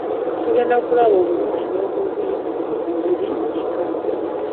Tugenda kulaba obulungi n'obubi obuli mu buli kika.